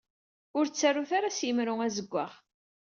Ur ttarut ara s yimru azeggaɣ!